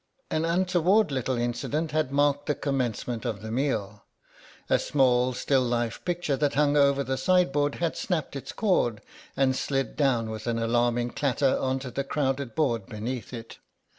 An untoward little incident had marked the commencement of the meal. A small still life picture that hung over the sideboard had snapped its cord and slid down with an alarming clatter on to the crowded board beneath it.